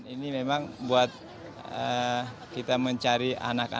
ini memang buat kita mencari anak anak